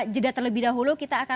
jeda terlebih dahulu kita akan